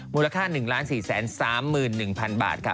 มูลค่า๑๔๓๑๐๐๐บาทค่ะ